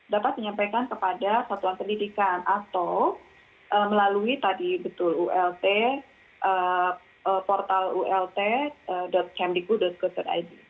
dapat menyampaikan kepada satuan pendidikan atau melalui tadi betul ult portalult kemdiku go id